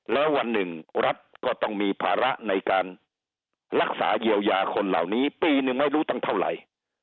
แล้ววันหนึ่งรัฐก็ต้องมีภาระในการรักษาเยียวยาคนเหล่านี้ปีหนึ่งไม่รู้ตั้งเท่าไหร่